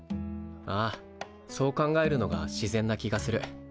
ああそう考えるのが自然な気がする。